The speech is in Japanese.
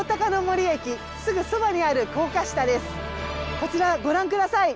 こちらご覧ください。